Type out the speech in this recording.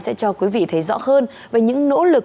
sẽ cho quý vị thấy rõ hơn về những nỗ lực